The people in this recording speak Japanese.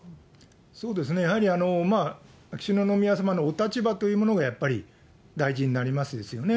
そうですね、やはり秋篠宮さまのお立場というものがやっぱり大事になりますですよね。